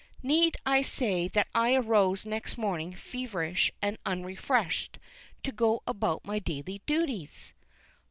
Need I say that I arose next morning feverish and unrefreshed to go about my daily duties?